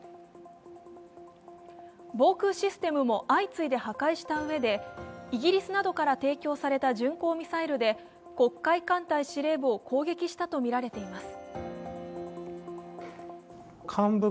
防空システムも相次いで破壊したうえでイギリスなどから提供された巡航ミサイルで黒海艦隊司令部を攻撃したとみられています。